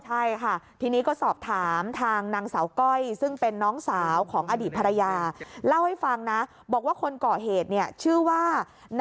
ใช่ค่ะทีนี้ก็สอบถามทางนางสาวก้อยซึ่งเป็นน้องสาวของอดีตภรรยา